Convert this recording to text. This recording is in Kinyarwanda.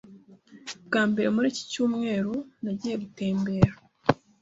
Bwa mbere muri iki cyumweru, nagiye gutembera.